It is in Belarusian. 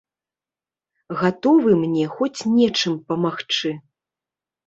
Гатовы мне хоць нечым памагчы.